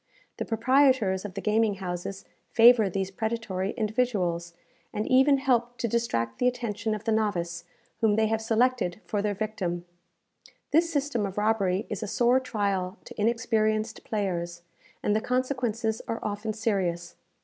The proprietors of the gaming houses favour these predatory individuals, and even help to distract the attention of the novice whom they have selected for their victim. This system of robbery is a sore trial to inexperienced players, and the consequences are often serious.